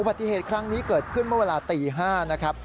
ปฏิเหตุครั้งนี้เกิดขึ้นเมื่อเวลาตี๕นะครับ